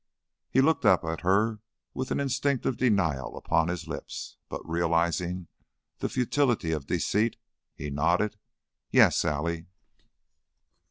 He looked up at her with an instinctive denial upon his lips, but, realizing the futility of deceit, he nodded. "Yes, Allie."